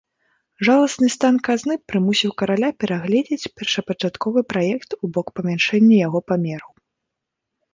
Жаласны стан казны прымусіў караля перагледзець першапачатковы праект у бок памяншэння яго памераў.